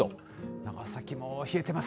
長崎も冷えてます。